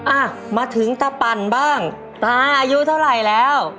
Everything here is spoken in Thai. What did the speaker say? อ่ะมาถึงตะปั่นบ้างตาอายุเท่าไหร่แล้ว